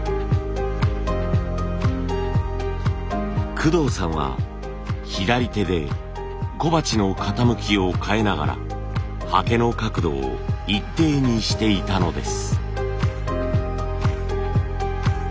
工藤さんは左手で小鉢の傾きを変えながらはけの角度を一定にしていたのです。